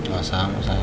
gak usah gak usah